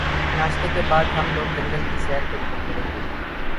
ناشتے کے بعد ہم لوگ جنگل کی سیر کو نکل پڑے